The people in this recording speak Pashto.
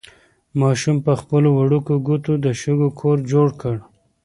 ماشوم په خپلو وړوکو ګوتو د شګو کور جوړ کړ.